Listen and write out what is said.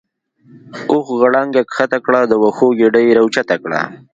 اوښ غړانګه کښته کړه د وښو ګیډۍ یې اوچته کړه.